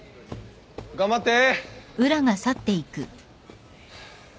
頑張って！